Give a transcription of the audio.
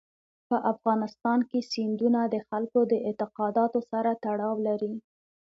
په افغانستان کې سیندونه د خلکو د اعتقاداتو سره تړاو لري.